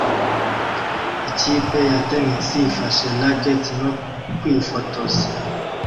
Ikipe ya tennis ifashe racket no kwifotoza